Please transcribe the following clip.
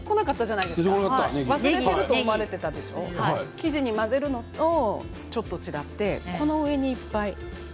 生地に混ぜるのとちょっと違ってこの上にいっぱい。